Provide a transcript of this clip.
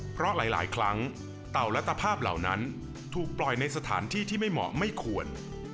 เพราะหลายครั้งเต่ารัตภาพเหล่านั้นถูกปล่อยในสถานที่ที่ไม่เหมาะไม่ควร